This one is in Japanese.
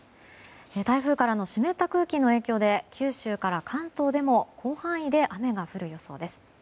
台風からの湿った空気の影響で九州から関東でも広範囲で雨が降る予想です。